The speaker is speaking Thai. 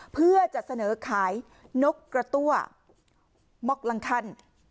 เพื่อจะเสนอขายนกกระตั้วม็อกลังคัน